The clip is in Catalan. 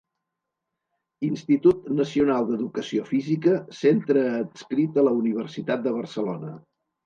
Institut Nacional d'Educació Física, centre adscrit a la Universitat de Barcelona.